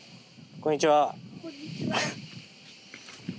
こんにちは。